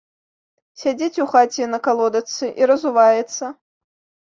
Сядзіць у хаце на калодачцы і разуваецца.